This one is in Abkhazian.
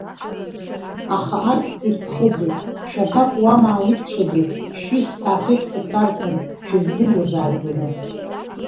Аха арҭ зегь ԥхыӡуп, шәабаҟоу амаалықьцәагь, шәҩысҭаахеит ҳәа сарҳәон шәыздыруаз ааигәаны.